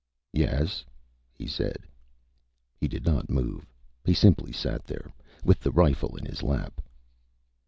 "Yes," he said. He did not move. He simply sat there, with the rifle in his lap.